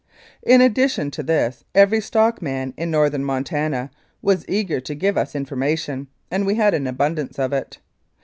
In addition to this every stockman in Northern Montana was eager to give us information, and we had abundance of it.